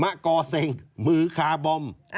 มะก่อเซ็งมือคาบอม